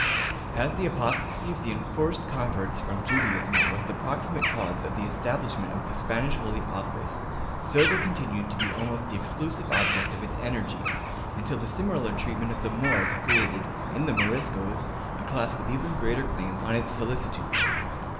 As the apostasy of the enforced converts from Judaism was the proximate cause of the estabhshment of the Spanish Holy Office, so they continued to be almost the exclusive object of its energies, until the similar treatment of the Moors created, in the Moriscos, a class with even greater claims on its solicitude.